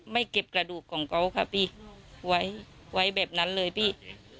เก็บกระดูกของเขาค่ะพี่ไว้ไว้แบบนั้นเลยพี่